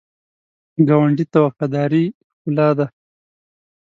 ګاونډي ته وفاداري ښکلا ده